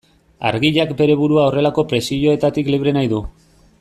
Argiak bere burua horrelako presioetatik libre nahi du.